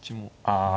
ああ